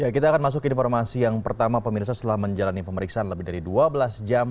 kita akan masuk ke informasi yang pertama pemirsa setelah menjalani pemeriksaan lebih dari dua belas jam